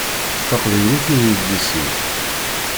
D taqbaylit i d idles-iw.